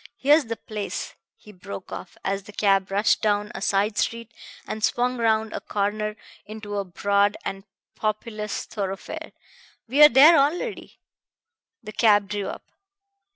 Here's the place," he broke off, as the cab rushed down a side street and swung round a corner into a broad and populous thoroughfare. "We're there already." The cab drew up.